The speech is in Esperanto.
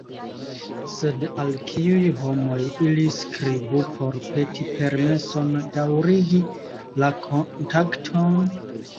Sed al kiuj homoj ili skribu por peti permeson daŭrigi la kontakton?